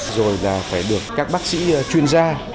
rồi là phải được các bác sĩ chuyên gia